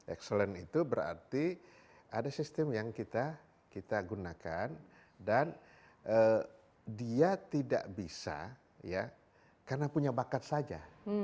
excellence itu berarti ada sistem yang kita gunakan dan dia tidak bisa ya karena punya bakat saja